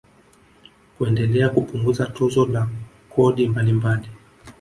Kuendelea kupunguza tozo na kodi mbalimbali